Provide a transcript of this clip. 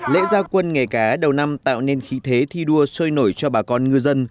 lễ gia quân nghề cá đầu năm tạo nên khí thế thi đua sôi nổi cho bà con ngư dân